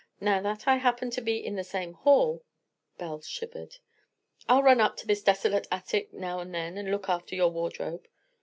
Now that I happen to be in the same hall——" Belle shivered. "I'll run up to this desolate attic, now and then, and look after your wardrobe."